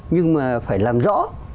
nhưng mà phải làm rõ